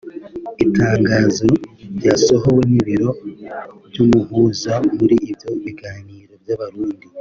Itangazo ryasohowe n’ibiro by’umuhuza muri ibyo biganiro by’Abarundi